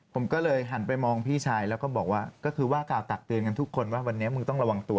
ผมก็เลยหันไปมองพี่ชายแล้วก็บอกว่าก็คือว่ากล่าวตักเตือนกันทุกคนว่าวันนี้มึงต้องระวังตัว